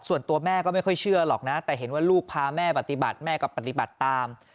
ส่วนตัวแม่ก็ไม่ค่อยเชื่อหรอกนะแต่เห็นว่าลูกพาแม่ปฏิบัติแม่ก็ปฏิบัติตาม